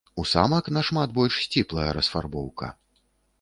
У самак нашмат больш сціплая расфарбоўка.